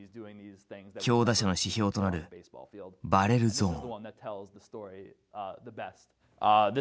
強打者の指標となるバレルゾーン。